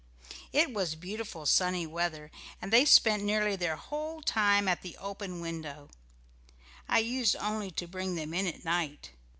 It was beautiful sunny weather, and they spent nearly their whole time at the open window I used only to bring them in at night.